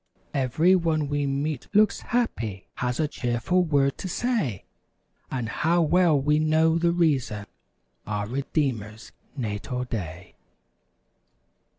Every one we meet looks happy; Has a cheerful word to say. And how well we know the reason— Our Redeemer's natal day!